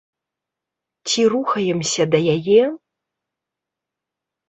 Ці рухаемся да яе?